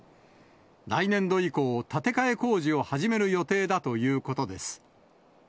来年度以降、建て替え工事を始める予定だということです。